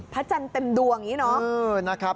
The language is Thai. พระจันทร์เต็มดวงอย่างนี้เนาะ